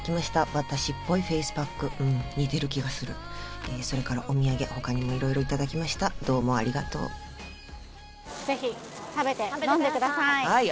私っぽいフェイスパックうん似てる気がするそれからお土産他にも色々いただきましたどうもありがとうぜひ食べて飲んでください食べてください